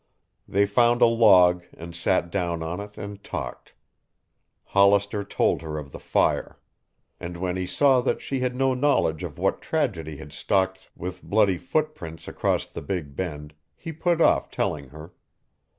They found a log and sat down on it and talked. Hollister told her of the fire. And when he saw that she had no knowledge of what tragedy had stalked with bloody footprints across the Big Bend, he put off telling her.